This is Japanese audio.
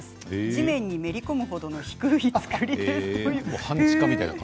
地面にめり込む程の低い造りです。